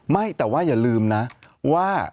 ไม่แต่ว่าอย่าลืมนะว่า